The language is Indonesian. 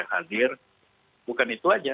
tidak hanya di hadir bukan itu saja